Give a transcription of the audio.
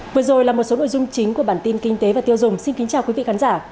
vừa rồi là một số nội dung chính của bản tin kinh tế và tiêu dùng xin kính chào quý vị khán giả